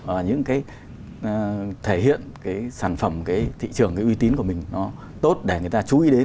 và những cái thể hiện cái sản phẩm cái thị trường cái uy tín của mình nó tốt để người ta chú ý đến